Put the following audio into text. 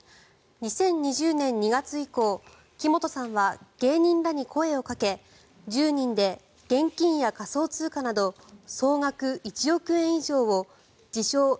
２０２０年２月以降木本さんは芸人らに声をかけ１０人で現金や仮想通貨など総額１億円以上を自称